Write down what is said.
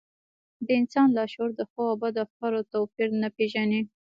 د انسان لاشعور د ښو او بدو افکارو توپير نه پېژني.